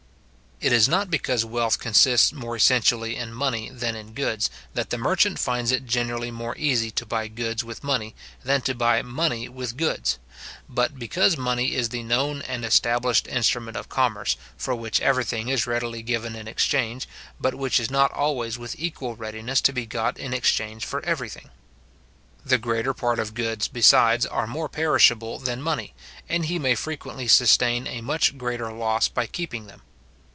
It is not because wealth consists more essentially in money than in goods, that the merchant finds it generally more easy to buy goods with money, than to buy money with goods; but because money is the known and established instrument of commerce, for which every thing is readily given in exchange, but which is not always with equal readiness to be got in exchange for every thing. The greater part of goods, besides, are more perishable than money, and he may frequently sustain a much greater loss by keeping them.